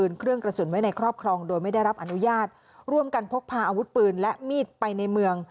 เครื่องกระสุนไว้ในครอบครองโดยไม่ได้รับอนุญาตร่วมกันพกพาอาวุธปืนและมีดไปในเมือง